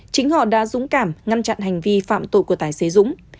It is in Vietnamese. chính họ đã dũng cảm ngăn chặn hành vi phạm tội của tài xế dũng